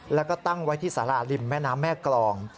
แล้วก็ตั้งไว้ที่สาราริมแม่น้ำแม่กรอง